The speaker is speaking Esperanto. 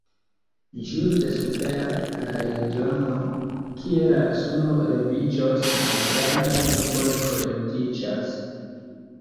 Ĝuste super la regiono, kie la suno leviĝos, malgrandaj nuboj kolektiĝas.